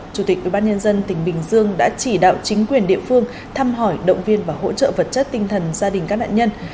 chủ tịch ubnd tỉnh bình dương đã chỉ đạo chính quyền địa phương thăm hỏi động viên và hỗ trợ vật chất tinh thần gia đình các nạn nhân